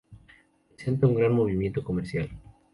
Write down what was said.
Presenta un gran movimiento comercial.